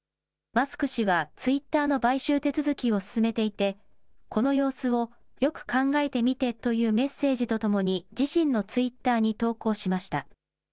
マスク氏はツイッターの買収手続きを進めていて、この様子をよく考えてみてというメッセージとともに、自身のツイッターに投稿しました。